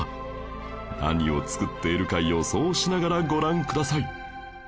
何を作っているか予想しながらご覧ください